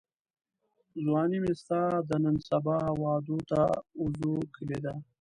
ځواني مي ستا د نن سبا وعدو ته وزوکلېده